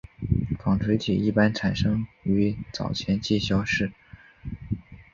纺锤体一般产生于早前期消失。